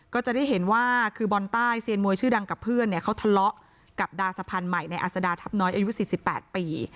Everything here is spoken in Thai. ก็จะได้เห็นว่าคือบอลใต้เซียนมวยชื่อดังกับเพื่อนเนี่ยเขาทะเลาะกับดาสะพานใหม่ในอัศดาทัพน้อยอายุ๔๘ปี